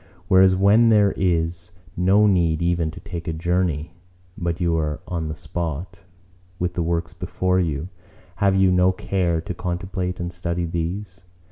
Whereas when there is no need even to take a journey, but you are on the spot, with the works before you, have you no care to contemplate and study these?